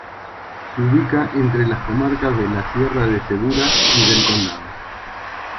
Se ubica entre las comarcas de la Sierra de Segura y del Condado.